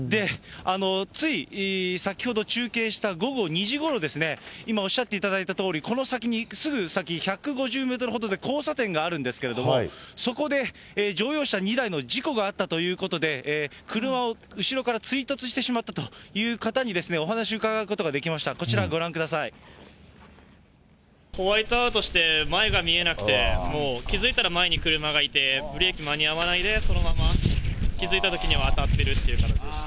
つい先ほど中継した午後２時ごろですね、今おっしゃっていただいたとおり、この先にすぐ先１５０メートルほどで交差点があるんですけれども、そこで乗用車２台の事故があったということで、車を、後ろから追突してしまったという方にお話伺うことができました、こちらご覧ホワイトアウトして、前が見えなくてもう気付いたら、前に車がいて、ブレーキ、間に合わないで、そのまんま気付いたときには当たってるっていう感じでした。